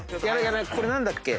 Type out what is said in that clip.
これ何だっけ？